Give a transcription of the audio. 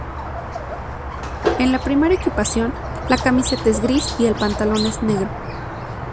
En la primera equipación, la camiseta es gris y el pantalón es negro.